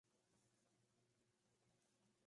Los mosquitos son abundantes, sobre todo en verano.